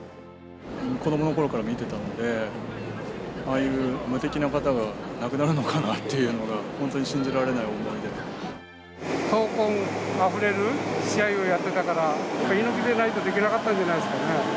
子どものころから見てたので、ああいう無敵な方が亡くなるのかなっていうのが、闘魂あふれる試合をやってたから、猪木じゃないとできなかったんじゃないですかね。